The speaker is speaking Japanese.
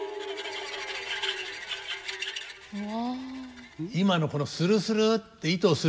うわ。